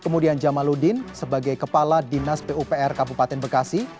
kemudian jamaludin sebagai kepala dinas pupr kabupaten bekasi